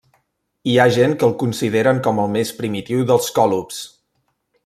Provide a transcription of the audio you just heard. Hi ha gent que el consideren com el més primitiu dels còlobs.